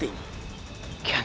tidak ada yang penting